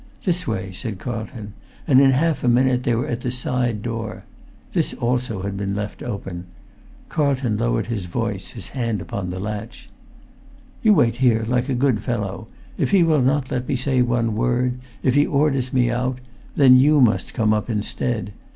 "This way," said Carlton; and in half a minute they were at the side door. This also had been left open. Carlton lowered his voice, his hand upon the latch. "You wait here, like a good fellow. If he will not let me say one word—if he orders me out—then you must come up instead.